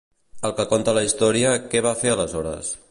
El que conta la història, què va fer aleshores?